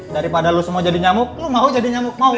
daripada lo semua jadi nyamuk lu mau jadi nyamuk mau